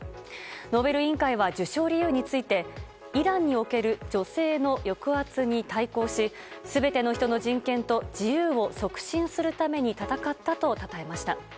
ノーベル委員会は受賞理由についてイランにおける女性の抑圧に対抗し全ての人の人権と自由を促進するために闘ったとたたえました。